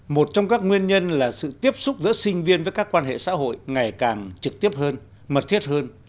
một trong các nguyên nhân là sự tiếp xúc giữa sinh viên với các quan hệ xã hội ngày càng trực tiếp hơn mật thiết hơn